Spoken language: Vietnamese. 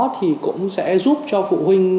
thì cũng sẽ giúp cho phụ huynh